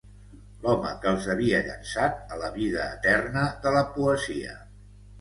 L'home que els havia llançat a la vida eterna de la poesia